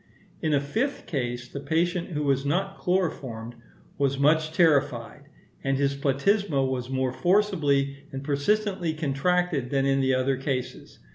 In a fifth case, the patient, who was not chloroformed, was much terrified; and his platysma was more forcibly and persistently contracted than in the other cases.